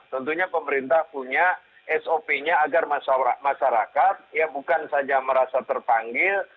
tentunya pemerintah punya sop nya agar masyarakat ya bukan saja merasa terpanggil